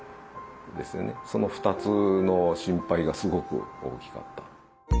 その２つの心配がすごく大きかった。